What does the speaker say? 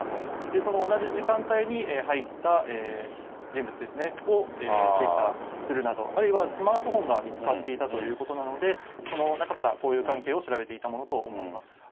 その同じ時間帯に入った人物ですね、を精査するなど、あるいはスマートフォンが見つかっていたということなので、その中から交友関係を調べていたものと見られます。